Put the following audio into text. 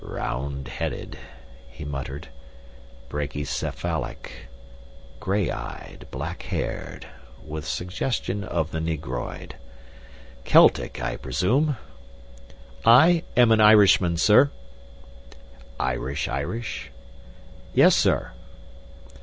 "Round headed," he muttered. "Brachycephalic, gray eyed, black haired, with suggestion of the negroid. Celtic, I presume?" "I am an Irishman, sir." "Irish Irish?" "Yes, sir."